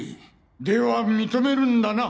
では認めるんだな？